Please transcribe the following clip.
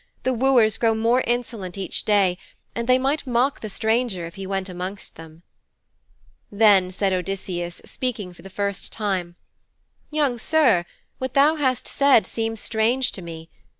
The wooers grow more insolent each day, and they might mock the stranger if he went amongst them.' Then said Odysseus, speaking for the first time, 'Young sir, what thou hast said seems strange to me.